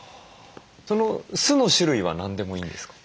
酢の種類は何でもいいんですか？